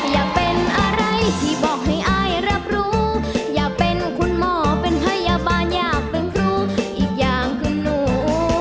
อยากเป็นอะไรที่บอกให้อายรับรู้อยากเป็นคุณหมอเป็นพยาบาลอยากเป็นครูอีกอย่างคือหนู